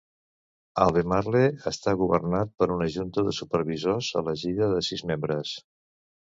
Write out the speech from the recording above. Albemarle està governat per una Junta de Supervisors elegida de sis membres.